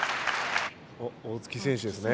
大槻選手ですね。